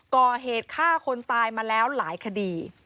ก่อเหตุฆ่าคนตายมาแล้วหลายคดี